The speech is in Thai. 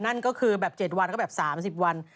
นั่นก็คือแบบ๗วันแล้วก็แบบ๓๐วัน